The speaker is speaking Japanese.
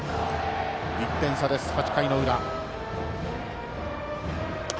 １点差です、８回の裏。